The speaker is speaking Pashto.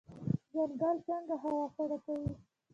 ځنګل څنګه هوا سړه کوي؟